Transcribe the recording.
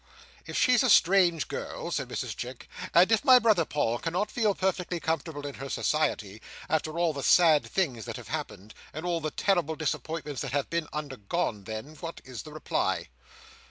"If she's a strange girl," said Mrs Chick, "and if my brother Paul cannot feel perfectly comfortable in her society, after all the sad things that have happened, and all the terrible disappointments that have been undergone, then, what is the reply?